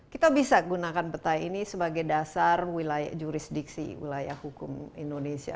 kita bisa gunakan peta ini sebagai dasar jurisdiksi wilayah hukum indonesia